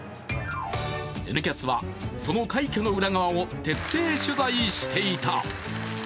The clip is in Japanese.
「Ｎキャス」はその快挙の裏側を徹底取材していた。